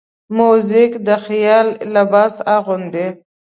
موزیک د خیال لباس اغوندي.